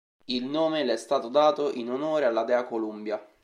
Il nome le è stato dato in onore alla dea Columbia.